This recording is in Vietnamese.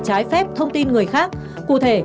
trái phép thông tin người khác cụ thể